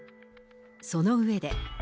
その上で。